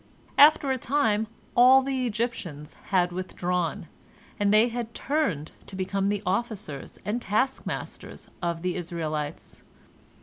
After a time all the Egyptians had withdrawn, and they had turned to become the officers and taskmasters of the Israelites.